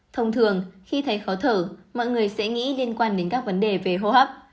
thông thường khi thấy khó thở mọi người sẽ nghĩ liên quan đến các vấn đề về hô hấp